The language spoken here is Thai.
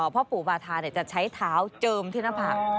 พ่อปู่บาธาจะใช้เท้าเจิมที่หน้าผาก